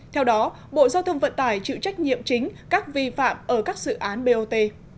theo đó bộ giao thông vận tải chịu trách nhiệm chính các vi phạm ở các dự án bot